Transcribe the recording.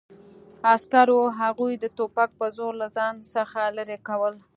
عسکرو هغوی د ټوپک په زور له ځان څخه لرې کول